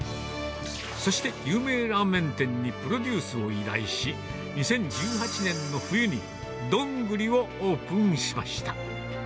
そして有名ラーメン店にプロデュースを依頼し、２０１８年の冬にどんぐりをオープンしました。